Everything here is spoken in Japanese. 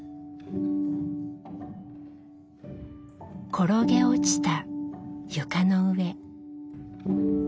転げ落ちた床の上